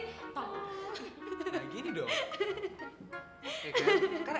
nah gini dong